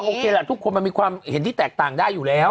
โอเคแหละทุกคนมันมีความเห็นที่แตกต่างได้อยู่แล้ว